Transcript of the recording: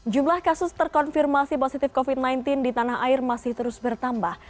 jumlah kasus terkonfirmasi positif covid sembilan belas di tanah air masih terus bertambah